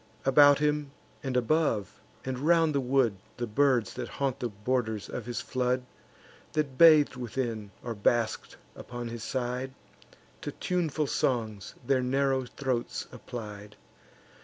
About him, and above, and round the wood, The birds that haunt the borders of his flood, That bath'd within, or basked upon his side, To tuneful songs their narrow throats applied.